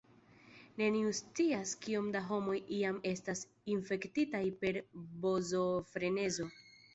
Neniu scias, kiom da homoj jam estas infektitaj per bovofrenezo.